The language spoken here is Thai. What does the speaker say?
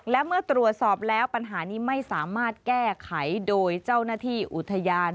และเมื่อตรวจสอบแล้วปัญหานี้ไม่สามารถแก้ไขโดยเจ้าหน้าที่อุทยาน